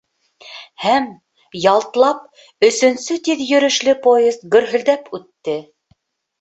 Һәм, ялтлап, өсөнсө тиҙ йөрөшлө поезд гөрһөлдәп үтте.